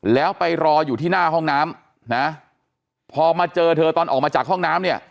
แล้วไปรออยู่ที่หน้าห้องน้ำนะพอมาเจอเธอตอนออกมาจากห้องน้ำเนี่ย